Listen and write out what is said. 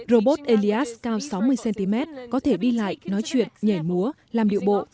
robot elias cao sáu mươi cm có thể đi lại nói chuyện nhảy múa làm điệu bộ